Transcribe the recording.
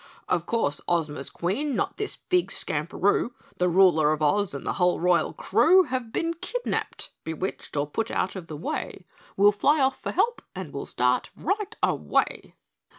"Of course Ozma's Queen, not this big Skamperoo The Ruler of Oz and the whole royal crew Have been kidnapped bewitched, or put out of the way We'll fly off for help and we'll start right away."